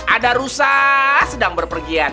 ada rusa sedang berpergian